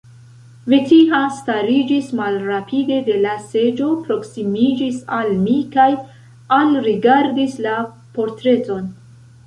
Vetiha stariĝis malrapide de la seĝo, proksimiĝis al mi kaj alrigardis la portreton.